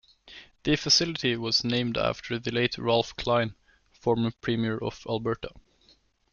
The facility was named after the late Ralph Klein, former premier of Alberta.